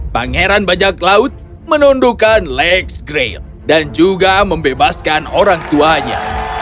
pangeran bajaklaut menundukan lex grey dan juga membebaskan orang tuanya